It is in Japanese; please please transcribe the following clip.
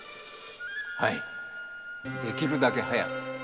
できるだけ早く。